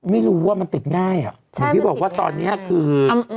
ไม่รู้ว่ามันติดง่ายเหรออย่างที่บอกว่าตอนนี้คือใช่มันติดง่าย